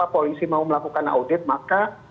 polisi mau melakukan audit maka